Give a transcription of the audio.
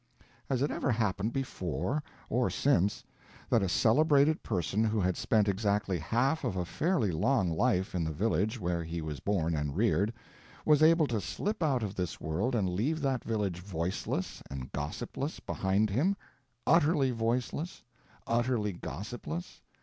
Has it ever happened before—or since—that a celebrated person who had spent exactly half of a fairly long life in the village where he was born and reared, was able to slip out of this world and leave that village voiceless and gossipless behind him—utterly voiceless., utterly gossipless?